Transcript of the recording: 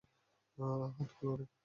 হাত খোল রে।